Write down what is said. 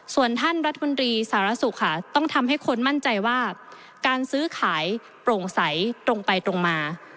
ส่วนท่านรัฐมนตรีสารสุขค่ะต้องทำให้คนมั่นใจว่าการซื้อขายโปร่งใสตรงไปตรงมา